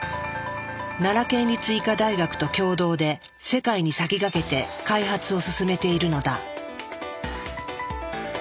奈良県立医科大学と共同で世界に先駆けて開発を進めているのだ。